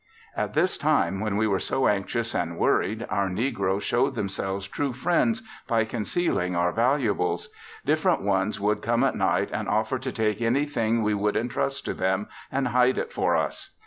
At this time when we were so anxious and worried our negroes showed themselves true friends by concealing our valuables. Different ones would come at night and offer to take anything we would entrust to them and hide it for us.